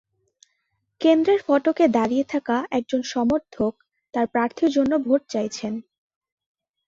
কেন্দ্রের ফটকে দাঁড়িয়ে থাকা একজন সমর্থক তাঁর প্রার্থীর জন্য ভোট চাইছেন।